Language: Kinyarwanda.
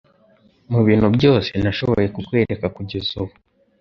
Mubintu byose nashoboye kukwereka kugeza ubu